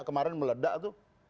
kemarin meledak tuh